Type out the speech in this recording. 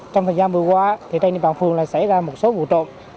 trong thời gian vừa qua thì trên địa phương là xảy ra một số vụ trộm